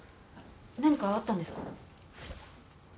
何かあったんですか？